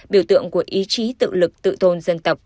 biểu tượng của ý chí tự lực tự tôn dân tộc